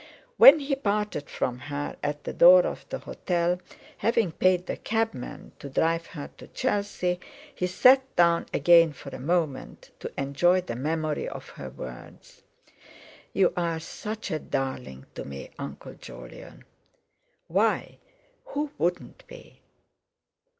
When he parted from her at the door of the hotel, having paid the cabman to drive her to Chelsea, he sat down again for a moment to enjoy the memory of her words: "You are such a darling to me, Uncle Jolyon!" Why! Who wouldn't be!